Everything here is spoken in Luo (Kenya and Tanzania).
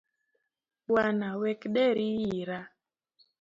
Bwana wek deri hira.